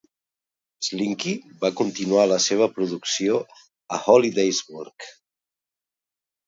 Slinky va continuar la seva producció a Hollidaysburg.